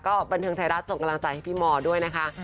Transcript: ก็บันทึงไทยรัฐส่งกำลังจ่ายให้พี่มด้วยนะคะ